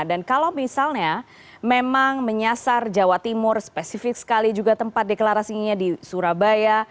dan kalau misalnya memang menyasar jawa timur spesifik sekali juga tempat deklarasinya di surabaya